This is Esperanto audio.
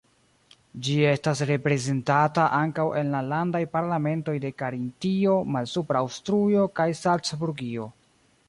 Ĝi estas reprezentata ankaŭ en la landaj parlamentoj de Karintio, Malsupra Aŭstrujo kaj Salcburgio.